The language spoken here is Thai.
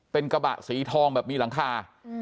เป็นกระบะสีทองแบบมีหลังคา